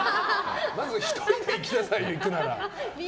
まず１人で行きなさいよ行くなら。